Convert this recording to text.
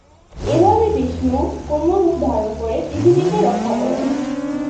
এভাবে বিষ্ণু কূর্মরূপ ধারণ করে পৃথিবীকে রক্ষা করেন।